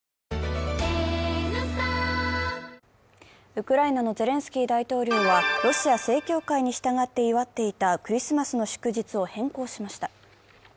ウクライナのゼレンスキー大統領はロシア正教会に従って祝っていたクリスマスの祝日を変更しました。